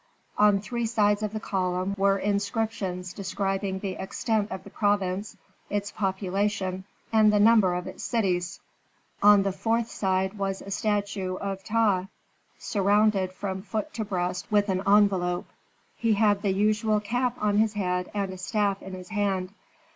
On three sides of the column were inscriptions describing the extent of the province, its population, and the number of its cities; on the fourth side was a statue of Ptah, surrounded from foot to breast with an envelope; he had the usual cap on his head and a staff in his hand.